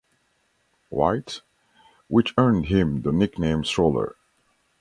White"" which earned him the nickname "Stroller".